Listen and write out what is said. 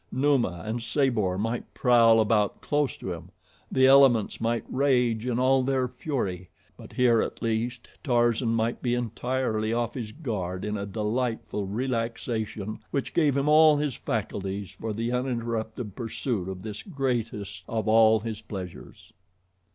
Numa and Sabor might prowl about close to him, the elements might rage in all their fury; but here at least, Tarzan might be entirely off his guard in a delightful relaxation which gave him all his faculties for the uninterrupted pursuit of this greatest of all his pleasures.